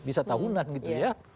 bisa tahunan gitu ya